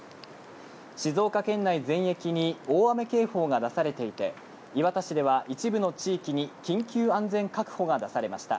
静岡県内全域に大雨警報が出されていて、磐田市では一部の地域に緊急安全確保が出されました。